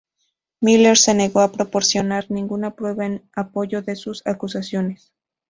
Miller se negó a proporcionar ninguna prueba en apoyo de sus acusaciones.